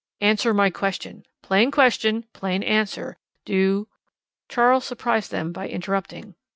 "Answer my question. Plain question, plain answer. Do " Charles surprised them by interrupting.